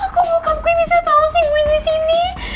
kok bokap gue bisa tau sih gue disini